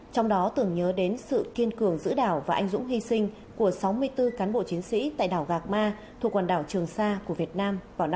trong đó tưởng nhớ đến sự kiên cường giữ đảo và anh dũng hy sinh của sáu mươi bốn cán bộ chiến sĩ tại đảo gạc ma thuộc quần đảo trường sa của việt nam vào năm một nghìn chín trăm tám mươi tám